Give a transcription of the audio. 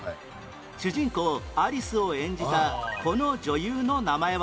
主人公アリスを演じたこの女優の名前は？